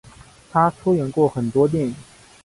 她出演过很多电影。